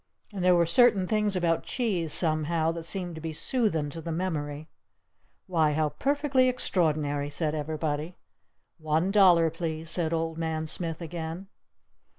And there were certain things about cheese somehow that seemed to be soothin' to the memory. "Why, how perfectly extraordinary!" said everybody. "One dollar, please!" said Old Man Smith again.